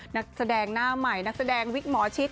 นักแสดงหน้าใหม่นักแสดงวิกหมอชิด